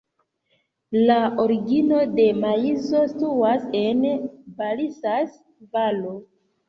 La origino de maizo situas en Balsas-Valo.